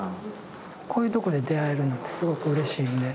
こういうとこで出会えるのってすごくうれしいんで。